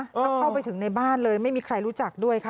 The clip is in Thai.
ก็เข้าไปถึงในบ้านเลยไม่มีใครรู้จักด้วยค่ะ